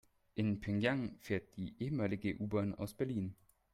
In Pjöngjang fährt die ehemalige U-Bahn aus Berlin.